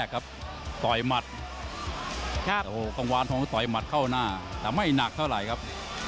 ครับลุแต่ไม่หนักเท่าไหร่ครับ